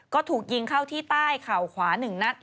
ก็ถูกยิงเข้าที่ใต้เข่าขวา๑นัด